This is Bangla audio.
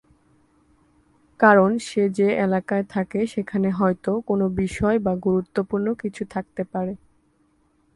কারণ, সে যে এলাকায় থাকে, সেখানে হয়তো কোনো বিষয় বা গুরুত্বপূর্ণ কিছু থাকতে পারে।